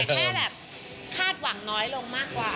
แค่แบบคาดหวังน้อยลงมากกว่า